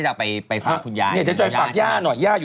จะไปฝากคุณย้าย